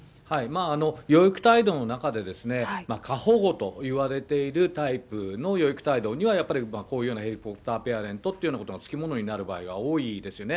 養育態度の中で過保護といわれているタイプの養育態度にはやっぱりこういうようなヘリコプターペアレントというようなことがつきものになる場合が多いですよね。